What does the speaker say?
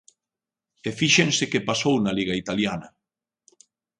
E fíxense que pasou na Liga italiana.